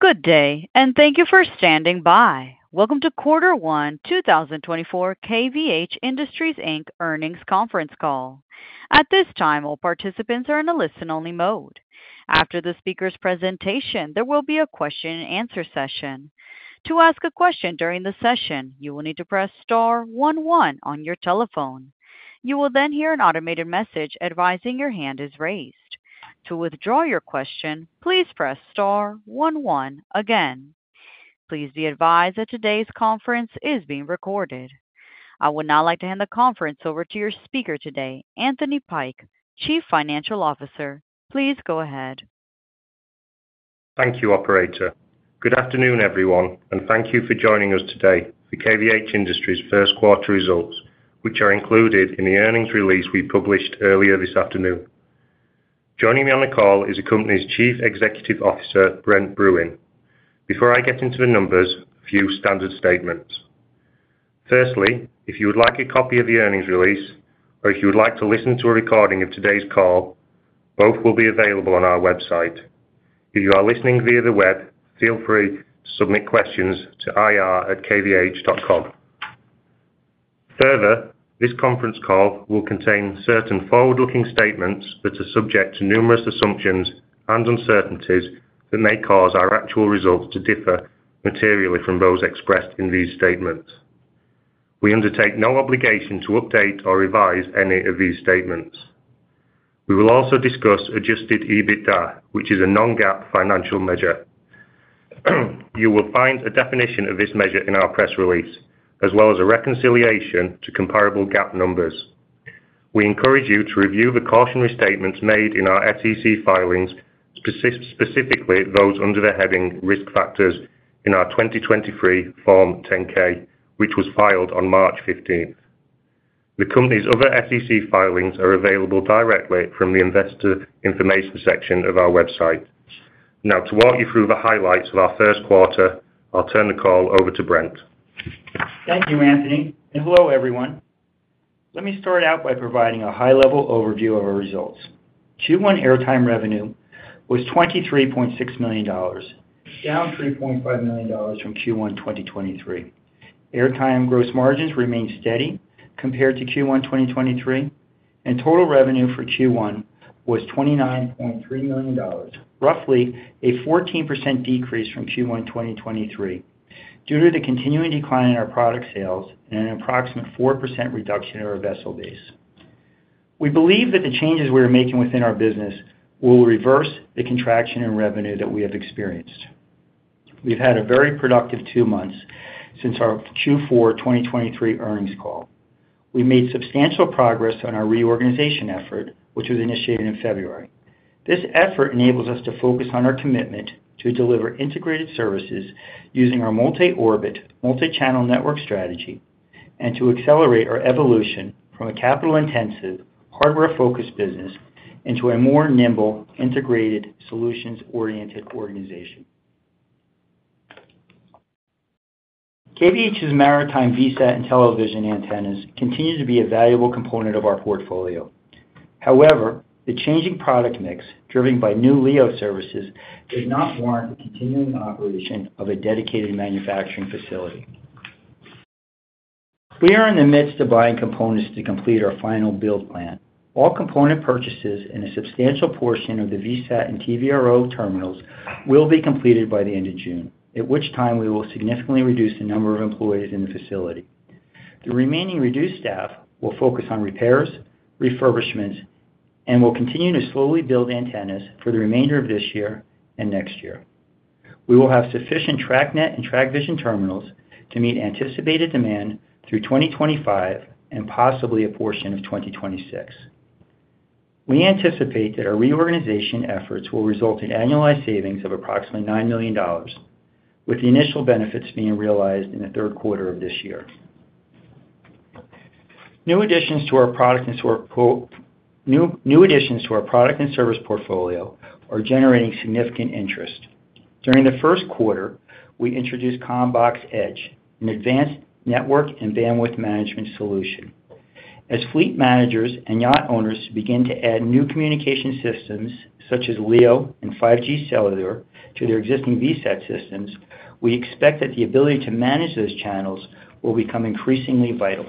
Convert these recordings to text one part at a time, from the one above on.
Good day, and thank you for standing by. Welcome to Quarter One 2024 KVH Industries Inc. Earnings Conference Call. At this time, all participants are in a listen-only mode. After the speaker's presentation, there will be a question-and-answer session. To ask a question during the session, you will need to press star one one on your telephone. You will then hear an automated message advising your hand is raised. To withdraw your question, please press star one one again. Please be advised that today's conference is being recorded. I would now like to hand the conference over to your speaker today, Anthony Pike, Chief Financial Officer. Please go ahead. Thank you, operator. Good afternoon, everyone, and thank you for joining us today for KVH Industries first quarter results, which are included in the earnings release we published earlier this afternoon. Joining me on the call is the company's Chief Executive Officer, Brent Bruun. Before I get into the numbers, a few standard statements. Firstly, if you would like a copy of the earnings release or if you would like to listen to a recording of today's call, both will be available on our website. If you are listening via the web, feel free to submit questions to ir@kvh.com. Further, this conference call will contain certain forward-looking statements that are subject to numerous assumptions and uncertainties that may cause our actual results to differ materially from those expressed in these statements. We undertake no obligation to update or revise any of these statements. We will also discuss Adjusted EBITDA, which is a non-GAAP financial measure. You will find a definition of this measure in our press release, as well as a reconciliation to comparable GAAP numbers. We encourage you to review the cautionary statements made in our SEC filings, specifically those under the heading Risk Factors in our 2023 Form 10-K, which was filed on March fifteenth. The company's other SEC filings are available directly from the investor information section of our website. Now, to walk you through the highlights of our first quarter, I'll turn the call over to Brent. Thank you, Anthony, and hello, everyone. Let me start out by providing a high-level overview of our results. Q1 airtime revenue was $23.6 million, down $3.5 million from Q1 2023. Airtime gross margins remained steady compared to Q1 2023, and total revenue for Q1 was $29.3 million, roughly a 14% decrease from Q1 2023 due to the continuing decline in our product sales and an approximate 4% reduction in our vessel base. We believe that the changes we are making within our business will reverse the contraction in revenue that we have experienced. We've had a very productive two months since our Q4 2023 earnings call. We made substantial progress on our reorganization effort, which was initiated in February. This effort enables us to focus on our commitment to deliver integrated services using our multi-orbit, multi-channel network strategy, and to accelerate our evolution from a capital-intensive, hardware-focused business into a more nimble, integrated, solutions-oriented organization. KVH's maritime VSAT and television antennas continue to be a valuable component of our portfolio. However, the changing product mix, driven by new LEO services, does not warrant the continuing operation of a dedicated manufacturing facility. We are in the midst of buying components to complete our final build plan. All component purchases and a substantial portion of the VSAT and TVRO terminals will be completed by the end of June, at which time we will significantly reduce the number of employees in the facility. The remaining reduced staff will focus on repairs, refurbishments, and will continue to slowly build antennas for the remainder of this year and next year. We will have sufficient TracNet and TracVision terminals to meet anticipated demand through 2025 and possibly a portion of 2026. We anticipate that our reorganization efforts will result in annualized savings of approximately $9 million, with the initial benefits being realized in the third quarter of this year. New additions to our product and service portfolio are generating significant interest. During the first quarter, we introduced CommBox Edge, an advanced network and bandwidth management solution. As fleet managers and yacht owners begin to add new communication systems, such as LEO and 5G cellular, to their existing VSAT systems, we expect that the ability to manage those channels will become increasingly vital.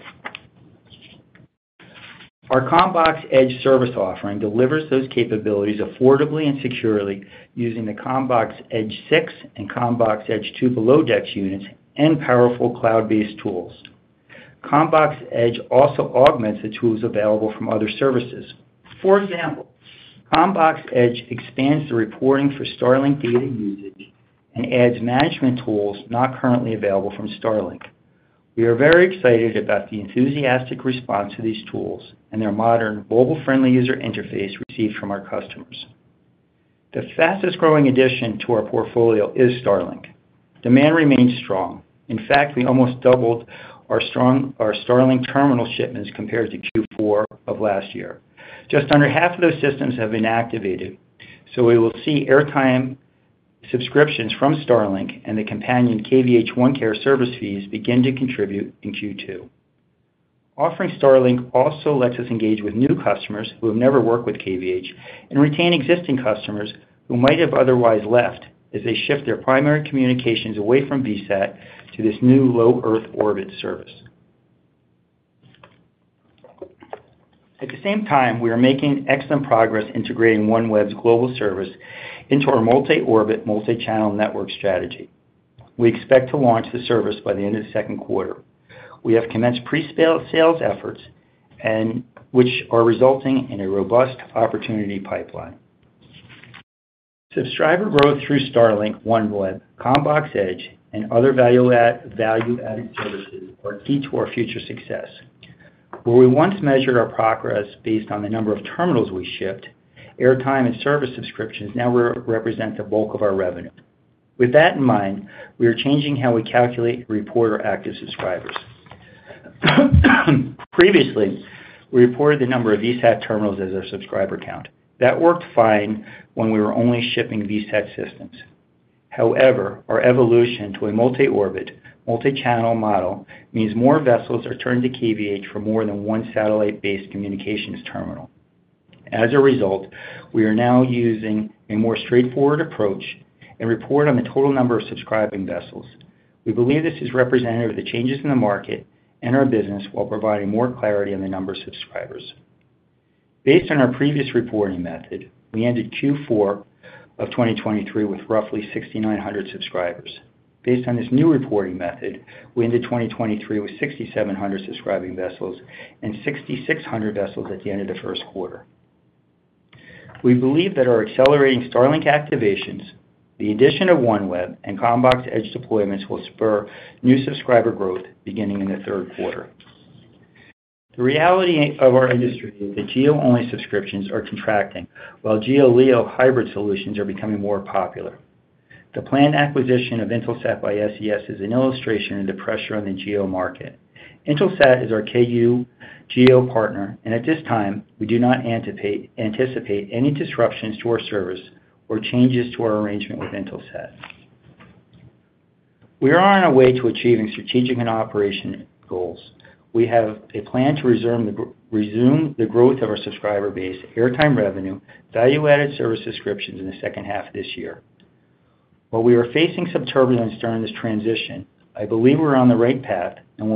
Our CommBox Edge service offering delivers those capabilities affordably and securely using the CommBox Edge 6 and CommBox Edge 2 Below Decks units and powerful cloud-based tools. CommBox Edge also augments the tools available from other services. For example, CommBox Edge expands the reporting for Starlink data usage and adds management tools not currently available from Starlink. We are very excited about the enthusiastic response to these tools and their modern, mobile-friendly user interface received from our customers. The fastest-growing addition to our portfolio is Starlink. Demand remains strong. In fact, we almost doubled our Starlink terminal shipments compared to Q4 of last year. Just under half of those systems have been activated, so we will see airtime subscriptions from Starlink and the companion KVH OneCare service fees begin to contribute in Q2. Offering Starlink also lets us engage with new customers who have never worked with KVH and retain existing customers who might have otherwise left as they shift their primary communications away from VSAT to this new low-Earth orbit service. At the same time, we are making excellent progress integrating OneWeb's global service into our multi-orbit, multi-channel network strategy. We expect to launch the service by the end of the second quarter. We have commenced pre-sales efforts, which are resulting in a robust opportunity pipeline. Subscriber growth through Starlink, OneWeb, CommBox Edge, and other value-added services are key to our future success. Where we once measured our progress based on the number of terminals we shipped, airtime and service subscriptions now represent the bulk of our revenue. With that in mind, we are changing how we calculate and report our active subscribers. Previously, we reported the number of VSAT terminals as our subscriber count. That worked fine when we were only shipping VSAT systems. However, our evolution to a multi-orbit, multi-channel model means more vessels are turning to KVH for more than one satellite-based communications terminal. As a result, we are now using a more straightforward approach and report on the total number of subscribing vessels. We believe this is representative of the changes in the market and our business, while providing more clarity on the number of subscribers. Based on our previous reporting method, we ended Q4 of 2023 with roughly 6,900 subscribers. Based on this new reporting method, we ended 2023 with 6,700 subscribing vessels and 6,600 vessels at the end of the first quarter. We believe that our accelerating Starlink activations, the addition of OneWeb and CommBox Edge deployments will spur new subscriber growth beginning in the third quarter. The reality of our industry is that GEO-only subscriptions are contracting, while GEO LEO hybrid solutions are becoming more popular. The planned acquisition of Intelsat by SES is an illustration of the pressure on the GEO market. Intelsat is our Ku GEO partner, and at this time, we do not anticipate any disruptions to our service or changes to our arrangement with Intelsat. We are on our way to achieving strategic and operation goals. We have a plan to resume the growth of our subscriber base, airtime revenue, value-added service subscriptions in the second half of this year. While we were facing some turbulence during this transition, I believe we're on the right path, and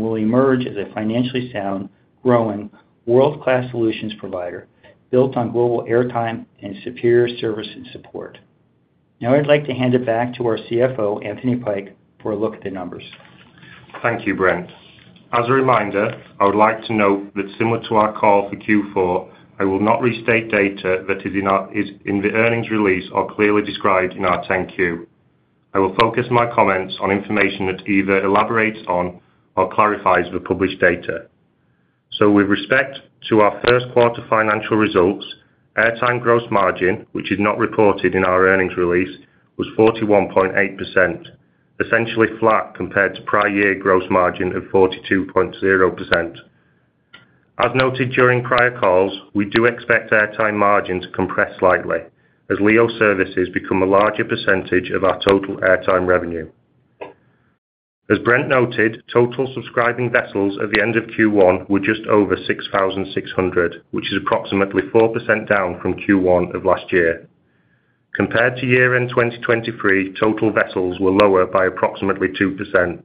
we'll emerge as a financially sound, growing, world-class solutions provider, built on global airtime and superior service and support. Now, I'd like to hand it back to our CFO, Anthony Pike, for a look at the numbers. Thank you, Brent. As a reminder, I would like to note that similar to our call for Q4, I will not restate data that is in our earnings release or clearly described in our 10-Q. I will focus my comments on information that either elaborates on or clarifies the published data. So with respect to our first quarter financial results, airtime gross margin, which is not reported in our earnings release, was 41.8%, essentially flat compared to prior year gross margin of 42.0%. As noted during prior calls, we do expect airtime margin to compress slightly as LEO services become a larger percentage of our total airtime revenue. As Brent noted, total subscribing vessels at the end of Q1 were just over 6,600, which is approximately 4% down from Q1 of last year. Compared to year-end 2023, total vessels were lower by approximately 2%.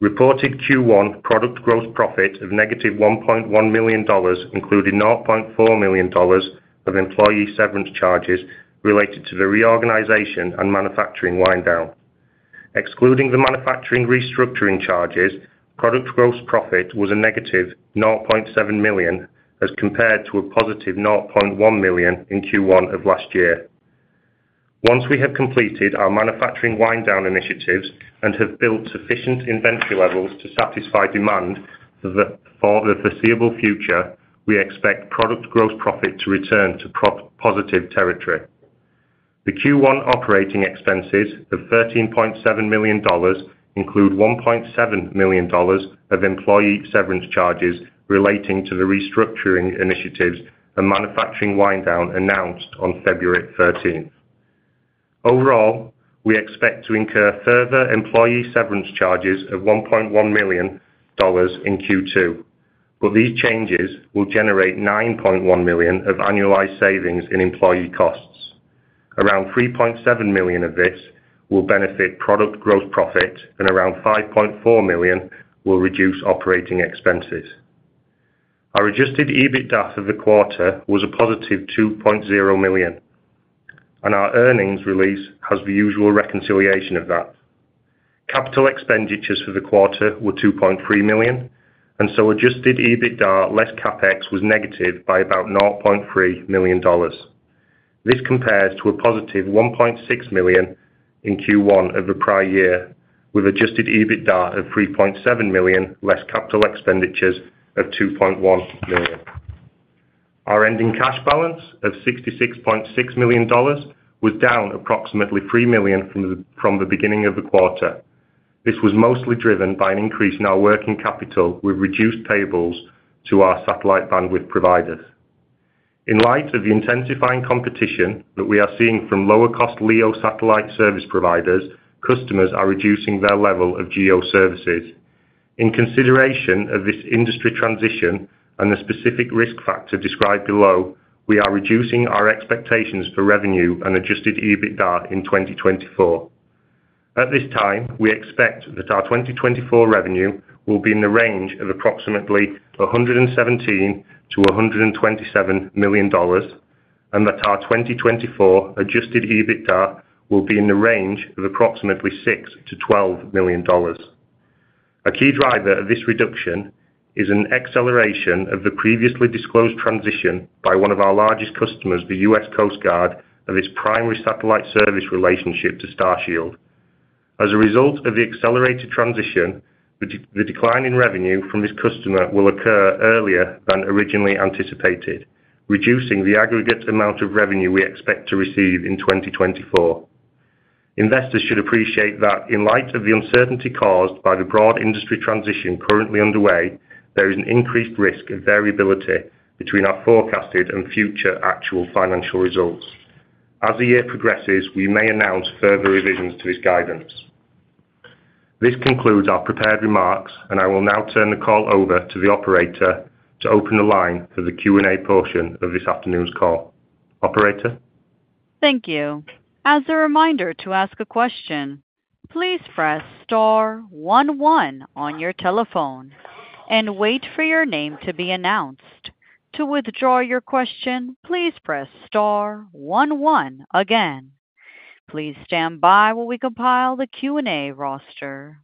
Reported Q1 product gross profit of -$1.1 million, including $0.4 million of employee severance charges related to the reorganization and manufacturing wind down. Excluding the manufacturing restructuring charges, product gross profit was -$0.7 million, as compared to $0.1 million in Q1 of last year. Once we have completed our manufacturing wind down initiatives and have built sufficient inventory levels to satisfy demand for the foreseeable future, we expect product gross profit to return to positive territory. The Q1 operating expenses of $13.7 million include $1.7 million of employee severance charges relating to the restructuring initiatives and manufacturing wind down announced on February 13. Overall, we expect to incur further employee severance charges of $1.1 million in Q2, but these changes will generate $9.1 million of annualized savings in employee costs. Around $3.7 million of this will benefit product gross profit, and around $5.4 million will reduce operating expenses. Our adjusted EBITDA for the quarter was a positive $2.0 million, and our earnings release has the usual reconciliation of that. Capital expenditures for the quarter were $2.3 million, and so adjusted EBITDA less CapEx was negative by about $0.3 million. This compares to a positive $1.6 million in Q1 of the prior year, with adjusted EBITDA of $3.7 million, less capital expenditures of $2.1 million. Our ending cash balance of $66.6 million was down approximately $3 million from the beginning of the quarter. This was mostly driven by an increase in our working capital, with reduced payables to our satellite bandwidth providers.... In light of the intensifying competition that we are seeing from lower cost LEO satellite service providers, customers are reducing their level of GEO services. In consideration of this industry transition and the specific risk factor described below, we are reducing our expectations for revenue and adjusted EBITDA in 2024. At this time, we expect that our 2024 revenue will be in the range of approximately $117 million-$127 million, and that our 2024 adjusted EBITDA will be in the range of approximately $6 million-$12 million. A key driver of this reduction is an acceleration of the previously disclosed transition by one of our largest customers, the U.S. Coast Guard, of its primary satellite service relationship to Starshield. As a result of the accelerated transition, the decline in revenue from this customer will occur earlier than originally anticipated, reducing the aggregate amount of revenue we expect to receive in 2024. Investors should appreciate that in light of the uncertainty caused by the broad industry transition currently underway, there is an increased risk of variability between our forecasted and future actual financial results. As the year progresses, we may announce further revisions to this guidance. This concludes our prepared remarks, and I will now turn the call over to the operator to open the line for the Q&A portion of this afternoon's call. Operator? Thank you. As a reminder, to ask a question, please press star one one on your telephone and wait for your name to be announced. To withdraw your question, please press star one one again. Please stand by while we compile the Q&A roster.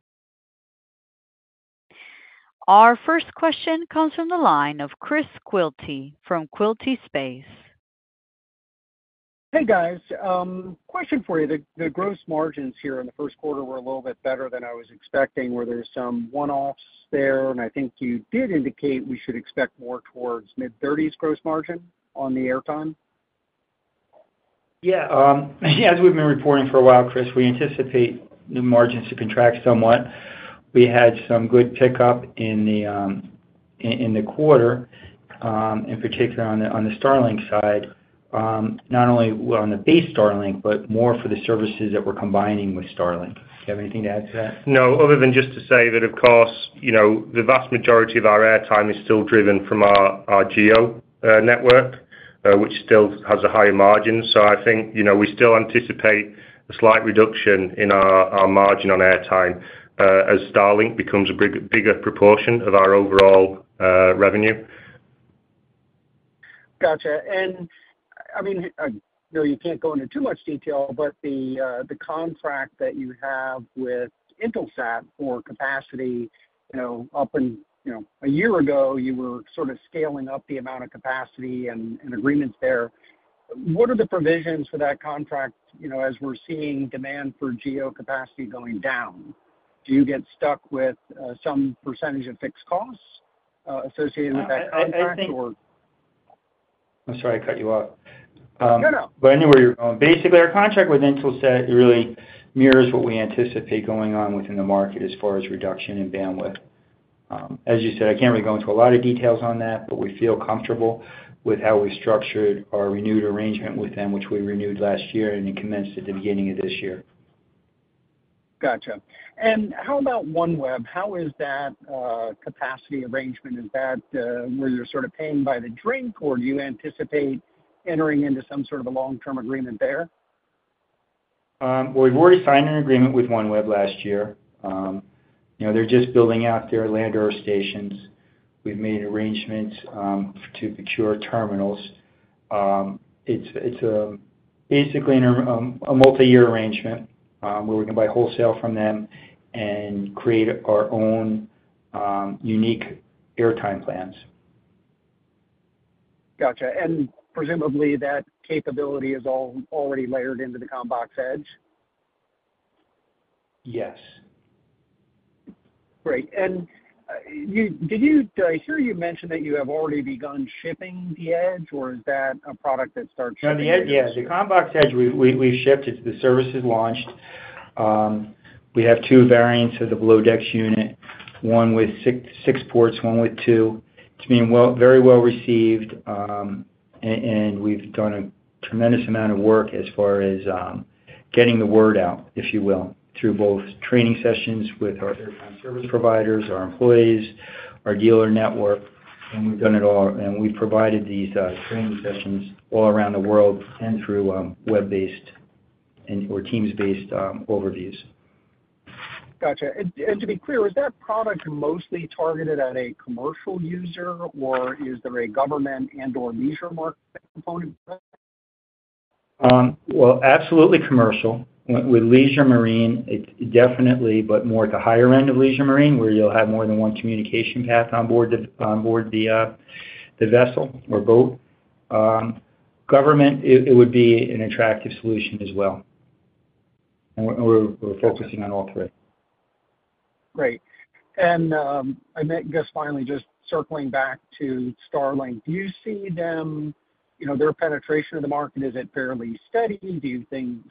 Our first question comes from the line of Chris Quilty from Quilty Space. Hey, guys. Question for you. The gross margins here in the first quarter were a little bit better than I was expecting. Were there some one-offs there? And I think you did indicate we should expect more towards mid-thirties gross margin on the airtime. Yeah, as we've been reporting for a while, Chris, we anticipate the margins to contract somewhat. We had some good pickup in the quarter, in particular on the Starlink side, not only on the base Starlink, but more for the services that we're combining with Starlink. Do you have anything to add to that? No, other than just to say that, of course, you know, the vast majority of our airtime is still driven from our GEO network, which still has a higher margin. So I think, you know, we still anticipate a slight reduction in our margin on airtime, as Starlink becomes a bigger proportion of our overall revenue. Gotcha. And, I mean, I know you can't go into too much detail, but the contract that you have with Intelsat for capacity, you know, up in... You know, a year ago, you were sort of scaling up the amount of capacity and agreements there. What are the provisions for that contract, you know, as we're seeing demand for GEO capacity going down? Do you get stuck with some percentage of fixed costs associated with that contract, or? I think... I'm sorry, I cut you off. No, no. But I know where you're going. Basically, our contract with Intelsat really mirrors what we anticipate going on within the market as far as reduction in bandwidth. As you said, I can't really go into a lot of details on that, but we feel comfortable with how we structured our renewed arrangement with them, which we renewed last year, and it commenced at the beginning of this year. Gotcha. And how about OneWeb? How is that capacity arrangement? Is that where you're sort of paying by the drink, or do you anticipate entering into some sort of a long-term agreement there? Well, we've already signed an agreement with OneWeb last year. You know, they're just building out their ground stations. We've made arrangements to procure terminals. It's basically in a multi-year arrangement where we can buy wholesale from them and create our own unique airtime plans. Gotcha. And presumably, that capability is already layered into the CommBox Edge? Yes. Great. And, did I hear you mention that you have already begun shipping the Edge, or is that a product that starts shipping? No, the Edge, yeah. The CommBox Edge, we shipped it. The service is launched. We have two variants of the below decks unit, one with six ports, one with two. It's being very well received. And we've done a tremendous amount of work as far as getting the word out, if you will, through both training sessions with our airtime service providers, our employees, our dealer network, and we've done it all. We provided these training sessions all around the world and through web-based and/or Teams-based overviews. Gotcha. And to be clear, is that product mostly targeted at a commercial user, or is there a government and/or leisure market component? Well, absolutely commercial. With leisure marine, it's definitely, but more at the higher end of leisure marine, where you'll have more than one communication path on board the vessel or boat. Government, it would be an attractive solution as well. And we're focusing on all three. Great. And then just finally, just circling back to Starlink. Do you see them, you know, their penetration of the market, is it fairly steady? Do you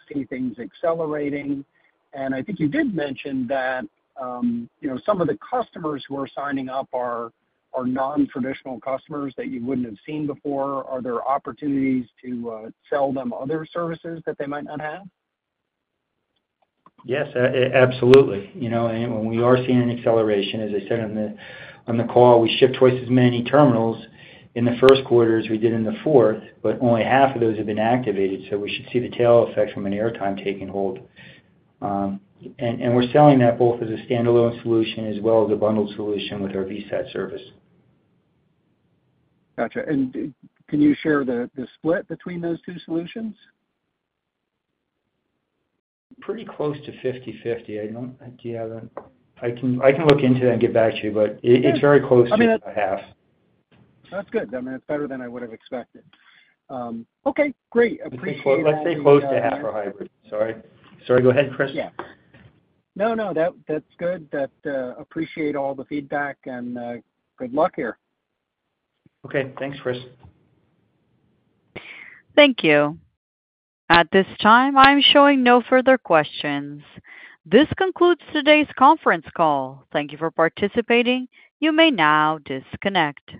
see things accelerating? And I think you did mention that, you know, some of the customers who are signing up are non-traditional customers that you wouldn't have seen before. Are there opportunities to sell them other services that they might not have? Yes, absolutely. You know, and we are seeing an acceleration. As I said on the call, we ship twice as many terminals in the first quarter as we did in the fourth, but only half of those have been activated, so we should see the tail effect from an airtime taking hold. And we're selling that both as a standalone solution as well as a bundled solution with our VSAT service. Gotcha. And can you share the split between those two solutions? Pretty close to 50/50. I don't. I do have a- I can, I can look into it and get back to you, but it's very close to a half. That's good. I mean, it's better than I would've expected. Okay, great. Appreciate it. Let's say close to half or hybrid. Sorry. Sorry, go ahead, Chris. Yeah. No, no, that, that's good. That... Appreciate all the feedback, and, good luck here. Okay. Thanks, Chris. Thank you. At this time, I'm showing no further questions. This concludes today's conference call. Thank you for participating. You may now disconnect.